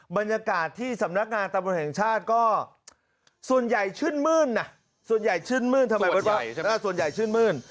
บรรยากาศที่สำนักงานตำรวจแห่งชาติก็ส่วนใหญ่ชื่นมื้น